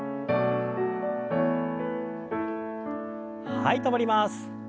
はい止まります。